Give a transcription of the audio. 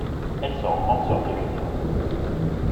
Elle se rencontre sur Eleuthera.